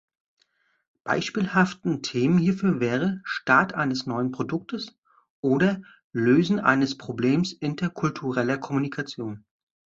Beispielhaften Themen hierfür wäre „Start eines neuen Produktes“ oder „Lösen eines Problems interkultureller Kommunikation“.